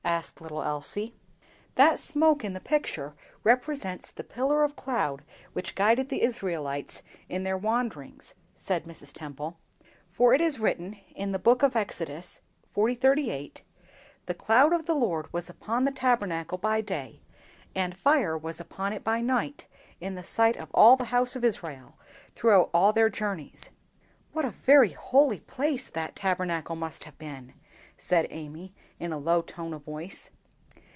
asked little Elsie. "That smoke in the picture represents the pillar of cloud which guided the Israelites in their wanderings," said Mrs. Temple. "For it is written in the book of Exodus (xl. 38), '_The cloud of the Lord was upon the Tabernacle by day, and fire was upon it by night, in the sight of all the house of Israel, throughout all their journeys_.'" "What a very holy place that Tabernacle must have been!" said Amy, in a low tone of voice.